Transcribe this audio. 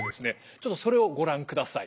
ちょっとそれをご覧ください。